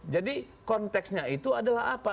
jadi konteksnya itu adalah apa